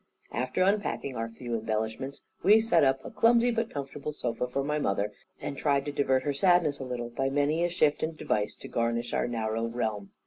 After unpacking our few embellishments, we set up a clumsy but comfortable sofa for my mother, and tried to divert her sadness a little by many a shift and device to garnish our narrow realm.